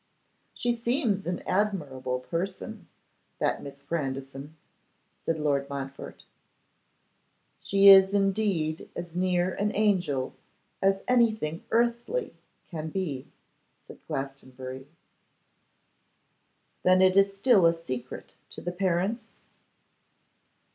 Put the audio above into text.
'She seems an admirable person, that Miss Grandison,' said Lord Montfort. 'She is indeed as near an angel as anything earthly can be,' said Glastonbury. 'Then it is still a secret to the parents?